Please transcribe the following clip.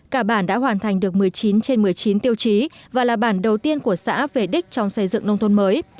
cả bản đã hoàn thành được một mươi chín trên một mươi chín tiêu chí và là bản đầu tiên của xã về đích trong xây dựng nông thôn mới